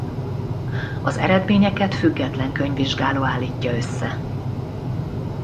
Az eredményeket független könyvvizsgáló állítja össze.